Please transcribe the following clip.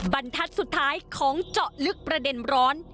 บรรทัศน์สุดท้ายของเจาะลึกประเด็นร้อน